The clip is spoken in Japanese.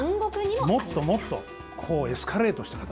もっともっとエスカレートした形。